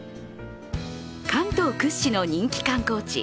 関東屈指の人気観光地